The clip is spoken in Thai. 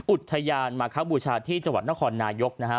อุทยานมาคบูชาที่จังหวัดนครนายกนะฮะ